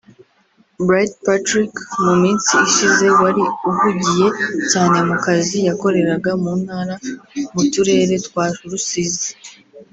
Bright Patrick mu minsi ishize wari uhugiye cyane mu kazi yakoreraga mu ntara mu turere twa Rusizi